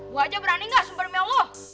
gue aja berani gak sumpah demi allah